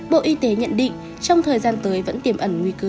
bộ y tế nhận định trong thời gian tới vẫn tiềm ẩn nguy cơ